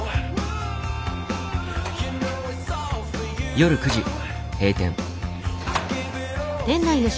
夜９時閉店。